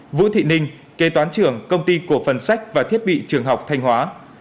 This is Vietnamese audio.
vũ thị ninh kế toán trưởng công ty cổ phần sách và thiết bị trường học thanh hóa